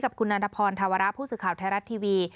เรื่องนี้กับคุณนันทพรธวระผู้สึกข่าวไทยรัฐทีวี